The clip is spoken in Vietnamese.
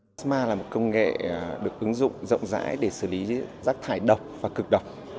plasma là một công nghệ được ứng dụng rộng rãi để xử lý rắc thải độc và cực độc